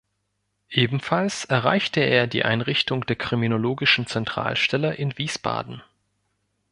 Ebenfalls erreichte er die Einrichtung der Kriminologischen Zentralstelle in Wiesbaden.